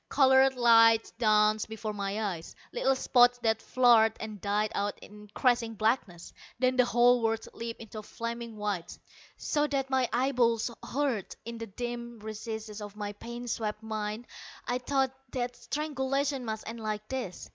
Colored lights danced before my eyes, little spots that flared and died out in crashing blackness. Then the whole world leaped into a flaming white, so that my eyeballs hurt. In the dim recesses of my pain swept mind I thought that strangulation must end like this.